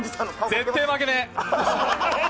絶対負けねえ。